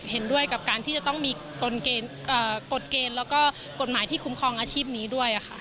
เห็นด้วยกับการที่จะต้องมีกฎเกณฑ์แล้วก็กฎหมายที่คุ้มครองอาชีพนี้ด้วยค่ะ